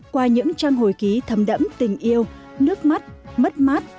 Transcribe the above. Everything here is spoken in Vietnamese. qua những trang hồi ký thầm đẫm tình yêu nước mắt mất mát